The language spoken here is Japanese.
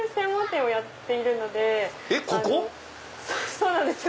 そうなんですよ。